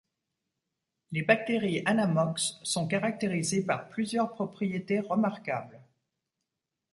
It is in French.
Les bactéries anammox sont caractérisés par plusieurs propriétés remarquables.